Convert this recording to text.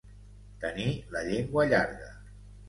Tenir la llengua llarga.